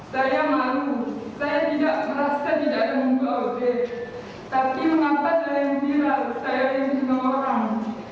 saya malu saya tidak merasa tidak ada sebuah audrey tapi mengapa saya yang birat saya yang senang orang